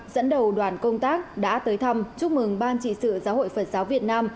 dẫn đầu đoàn công tác đã tới thăm chúc mừng ban trị sự giáo hội phật giáo việt nam